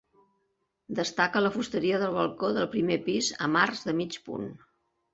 Destaca la fusteria del balcó del primer pis amb arcs de mig punt.